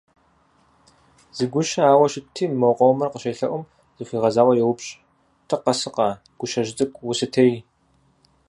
Зы гущэ ауэ щытти мо къомыр къыщелъэӏум, зыхуигъэзауэ йоупщӏ: «Тӏыкъэ сыкъэ, гущэжь цӏыкӏу, усытей?».